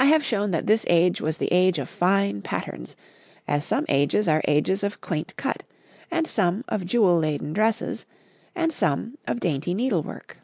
I have shown that this age was the age of fine patterns, as some ages are ages of quaint cut, and some of jewel laden dresses, and some of dainty needlework.